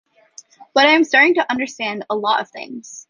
But I am starting to understand a lot of things.